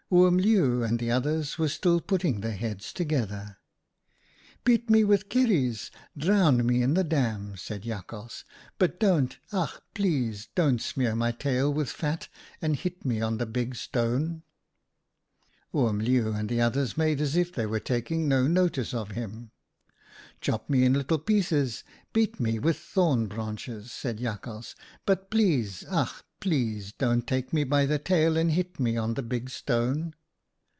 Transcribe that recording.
" Oom Leeuw and the others were still putting their heads together. "' Beat me with kieries, drown me in the dam,' said Jakhals, 'but don't, ach! please don't smear my tail with fat and hit me on the big stone.' " Oom Leeuw and the others made as if they were taking no notice of him. "' Chop me in little pieces, beat me with thorn branches,' said Jakhals, ' but please, ach ! please don't take me by the tail and hit me on the big stone.'